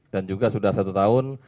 dan juga sudah satu tahun